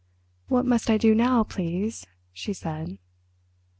"What must I do now, please?" she said.